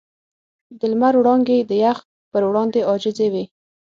د لمر وړانګې د یخ پر وړاندې عاجزې وې.